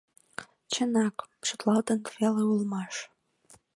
Чынак, шотлалтыт веле улмаш...